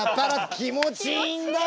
気持ちいいんだよ